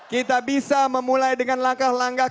kita bisa memulai dengan langkah langkah